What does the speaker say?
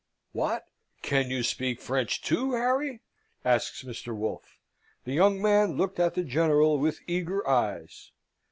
"What, can you speak French, too, Harry?" asks Mr. Wolfe. The young man looked at the General with eager eyes.